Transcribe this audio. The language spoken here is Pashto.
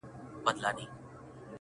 چي تا نه مني داټوله ناپوهان دي!